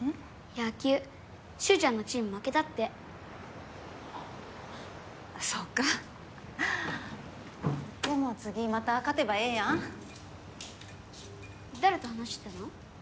野球脩ちゃんのチーム負けたってそうかでも次また勝てばええやん誰と話してたの？